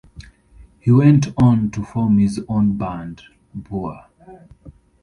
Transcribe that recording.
He went on to form his own band, Bauer.